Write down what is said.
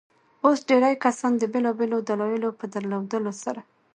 اوس ډېرى کسان د بېلابيلو دلايلو په درلودلو سره.